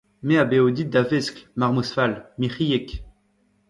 Me a baeo dit da veskl, marmouz fall, mic’hiek !